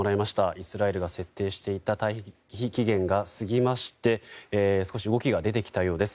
イスラエルが設定していた退避期限が過ぎまして少し動きが出てきたようです。